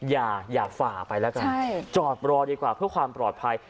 อย่าฝ่าไปแล้วกันจอดรอดีกว่าเพื่อความปลอดภัย